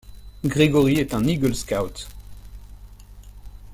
Gregory est un Eagle Scout.